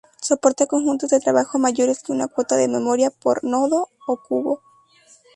Soporta conjuntos de trabajo mayores que una cuota de memoria por "nodo" o "cubo".